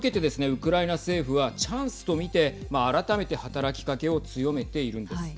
ウクライナ政府はチャンスと見て改めて働きかけを強めているんです。